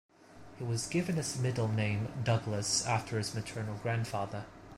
He was given his middle name "Douglas" after his maternal grandfather.